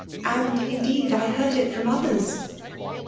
And indeed I hbard it from others.